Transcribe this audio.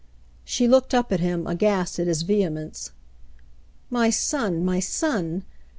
She looked up at him, aghast at his vehemence. '*My son, my son